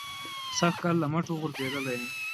سږ کال له مټو غورځېدلی یم.